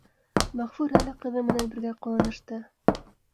Мәғфүрә лә ҡыҙы менән бергә ҡыуанышты: